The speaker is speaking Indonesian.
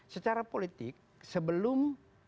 secara politik sebelum